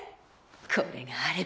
これがあれば。